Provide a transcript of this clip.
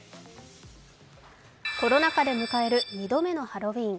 コロナ禍で迎える２度目のハロウィーン。